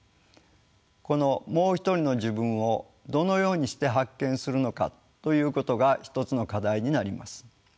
この「もう一人の自分」をどのようにして発見するのかということが一つの課題になります。